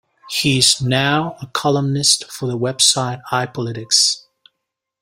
He is now a columnist for the website iPolitics.